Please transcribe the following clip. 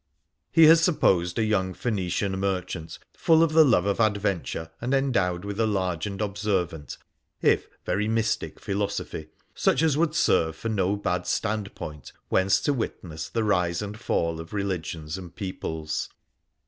He has supposed a young Phoenician merchant, full of the love of adventure, and endowed with a large and observant if very mystic philosophy — such as would serve for no bad stand point whence to witness the rise and fall of religions and peoples.